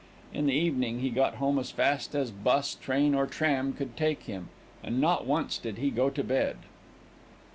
In the evening, he got home as fast as bus, train or tram could take him, and not once did he go to bed.